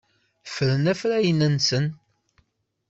Ffren afrayen-nsen.